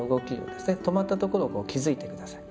止まったところを気づいて下さい。